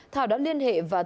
thảo đã liên hệ và tự do